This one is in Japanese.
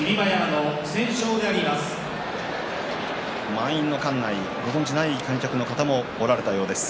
満員の館内、ご存じない観客の方もおられたようです。